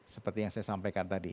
seperti yang saya sampaikan tadi